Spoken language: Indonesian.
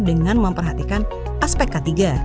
dengan memperhatikan aspek k tiga